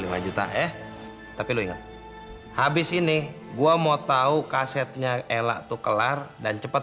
makanya lu yang sabar dong